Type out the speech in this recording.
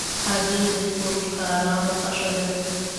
هګۍ د سپورټکارانو خوښه ده.